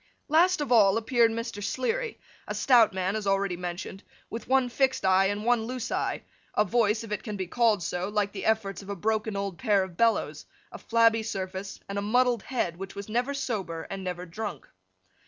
Last of all appeared Mr. Sleary: a stout man as already mentioned, with one fixed eye, and one loose eye, a voice (if it can be called so) like the efforts of a broken old pair of bellows, a flabby surface, and a muddled head which was never sober and never drunk.